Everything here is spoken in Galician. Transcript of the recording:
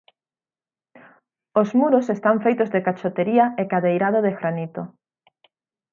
Os muros están feitos de cachotería e cadeirado de granito.